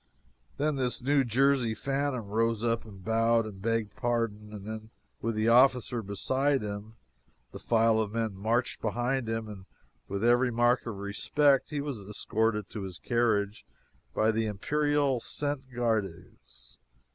Then this New Jersey phantom rose up and bowed and begged pardon, then with the officer beside him, the file of men marching behind him, and with every mark of respect, he was escorted to his carriage by the imperial Cent Gardes!